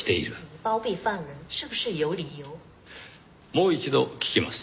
もう一度聞きます。